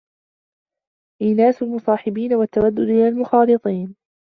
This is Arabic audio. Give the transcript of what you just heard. إينَاسُ الْمُصَاحِبِينَ وَالتَّوَدُّدُ إلَى الْمُخَالِطِينَ